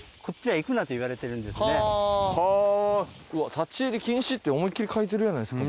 立入禁止って思い切り書いてるやないですか。